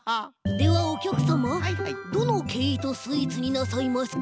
ではおきゃくさまどのケイートスイーツになさいますか？